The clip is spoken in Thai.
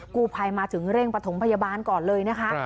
กู้ภัยมาถึงเร่งประถมพยาบาลก่อนเลยนะคะ